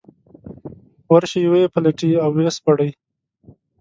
ورشي ویې پلټي او ويې سپړي.